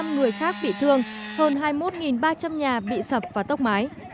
năm người khác bị thương hơn hai mươi một ba trăm linh nhà bị sập và tốc mái